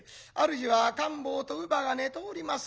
主は赤ん坊と乳母が寝ております